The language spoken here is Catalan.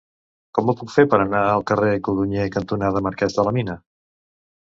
Com ho puc fer per anar al carrer Codonyer cantonada Marquès de la Mina?